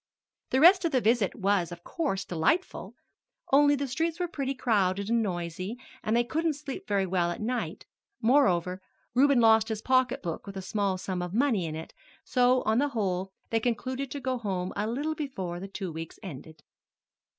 The rest of the visit was, of course, delightful, only the streets were pretty crowded and noisy, and they couldn't sleep very well at night; moreover, Reuben lost his pocketbook with a small sum of money in it; so, on the whole, they concluded to go home a little before the two weeks ended.